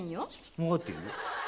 分かってるよ。